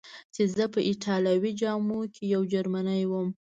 چې زه په ایټالوي جامو کې یو جرمنی ووم.